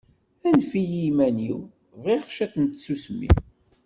Anef-iyi iman-iw, bɣiɣ ciṭ n tsusmi